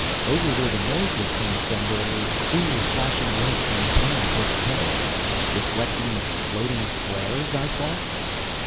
Over where the noise was coming from there were queer flashing lights in the clouds overhead reflecting exploding flares, I thought.